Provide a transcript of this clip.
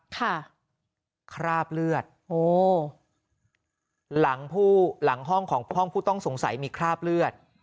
คราบเลือดโอ้หลังผู้หลังห้องของห้องผู้ต้องสงสัยมีคราบเลือด